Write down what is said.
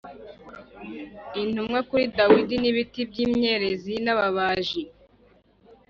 Intumwa kuri dawidi n ibiti by imyerezi n ababaji